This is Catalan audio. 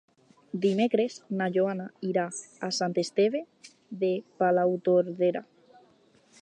Dimecres na Joana irà a Sant Esteve de Palautordera.